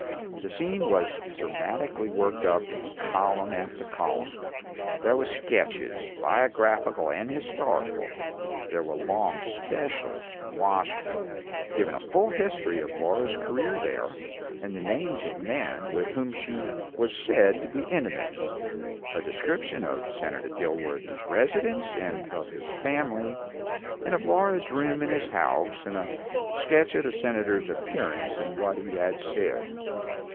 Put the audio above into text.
The scene was dramatically worked up in column after column. There were sketches, biographical and historical. There were long "specials" from Washington, giving a full history of Laura's career there, with the names of men with whom she was said to be intimate, a description of Senator Dilworthy's residence and of his family, and of Laura's room in his house, and a sketch of the Senator's appearance and what he said.